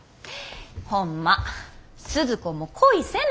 ホンマスズ子も恋せな。